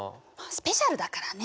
スペシャルだからね。